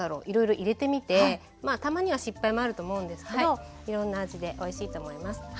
いろいろ入れてみてたまには失敗もあると思うんですけどいろんな味でおいしいと思います。